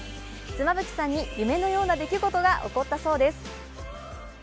妻夫木さんに夢のような出来事が起こったそうです。